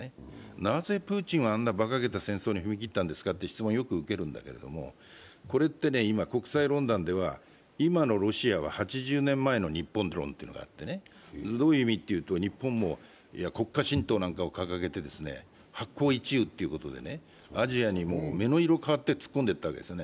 なぜ、プーチンはあんなばかげた戦争に踏み切ったんですかと、よく受けるんだけれども、これって今、国際論壇では今のロシアは８０年前の日本論というのがあってね、どういう意味かというと、日本も国家神道なんかを掲げて八紘一宇というこで、アジアに目の色変わって突っ込んでいったわけです。